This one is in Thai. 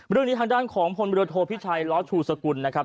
เรื่องนี้ทางด้านของพลเรือโทพิชัยล้อชูสกุลนะครับ